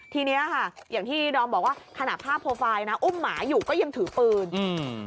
ทีเนี้ยค่ะอย่างที่ดอมบอกว่าขณะภาพโปรไฟล์นะอุ้มหมาอยู่ก็ยังถือปืนอืม